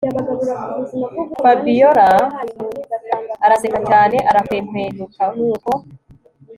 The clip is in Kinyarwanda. Fabiora araseka cyane arakwenkwenuka nuko